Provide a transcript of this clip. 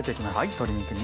鶏肉に。